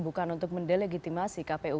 bukan untuk mendelegitimasi kpu